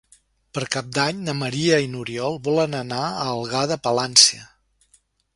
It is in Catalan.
Per Cap d'Any na Maria i n'Oriol volen anar a Algar de Palància.